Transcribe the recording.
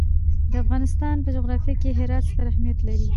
د افغانستان په جغرافیه کې هرات ستر اهمیت لري.